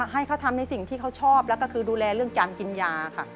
ให้เขาทำในสิ่งที่เขาชอบแล้วก็คือดูแลเรื่องการกินยาค่ะ